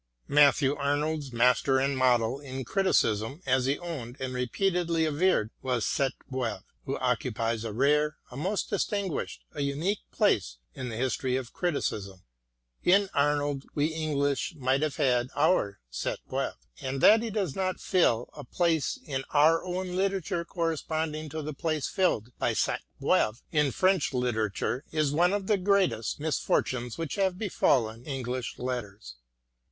Matthew Arnold's master and model in criticism, as he owned and repeatedly averred, was Sainte Beuve, who occupies a rare, a most distinguished, a unique place in the history of criticism. In Arnold we English might have had our Sainte Beuve, and that he does not fill a MATTHEW ARNOLD 191 place in our own literature corresponding to the place filled by Sainte Beuve in French literature is one of the greatest misfortunes which have befallen English letters.